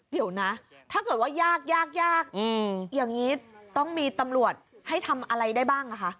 เดี๋ยวนะถ้าเกิดว่ายากยากยากอย่างนี้ต้องมีตำรวจให้ทำอะไรได้บ้างนะคะ